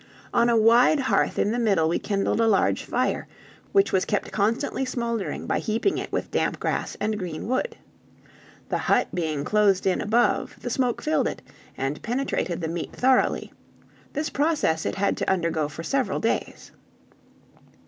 On a wide hearth in the middle we kindled a large fire, which was kept constantly smouldering by heaping it with damp grass and green wood. The hut being closed in above, the smoke filled it, and penetrated the meat thoroughly; this process it had to undergo for several days.